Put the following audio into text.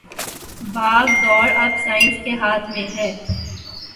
باگ ڈور اب سائنس کے ہاتھ میں ھے